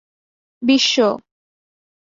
বিশ্ব